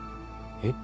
えっ？